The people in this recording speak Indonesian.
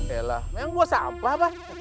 elah memang gue sampah mbah